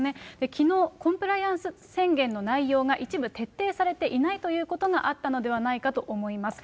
きのう、コンプライアンス宣言の内容が一部徹底されていないということがあったのではないかと思います。